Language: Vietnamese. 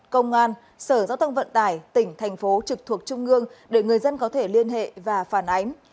công an sở giao thông vận tải tỉnh thành phố trực thuộc trung ương để người dân có thể liên hệ và phản ánh